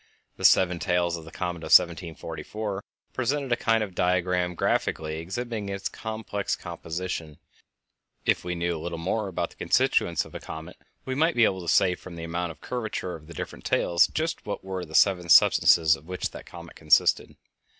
The seven tails of the comet of 1744 presented a kind of diagram graphically exhibiting its complex composition, and, if we knew a little more about the constituents of a comet, we might be able to say from the amount of curvature of the different tails just what were the seven substances of which that comet consisted.